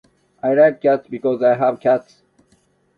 I like cats. Because I have cats.